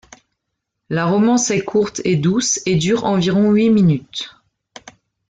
La romance est courte et douce et dure environ huit minutes.